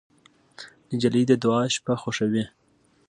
نجلۍ د دعا شپه خوښوي.